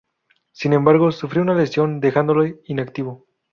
Sin embargo, sufrió una lesión, dejándole inactivo.